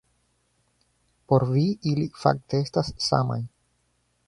Por vi, ili fakte estas samaj.